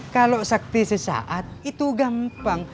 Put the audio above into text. kalau sakti sesaat itu gampang